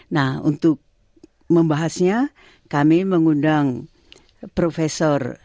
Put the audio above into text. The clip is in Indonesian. nah untuk membahasnya kami mengundang profesor